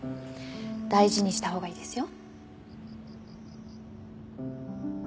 大事にした方がいいですよ。